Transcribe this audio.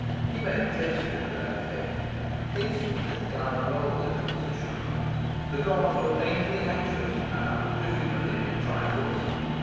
He made a gesture to that effect. Instantly the cloud rolled into position. The gods were painfully anxious, now, to humour him in trifles.